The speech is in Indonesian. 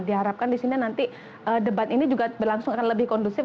diharapkan di sini nanti debat ini juga berlangsung akan lebih kondusif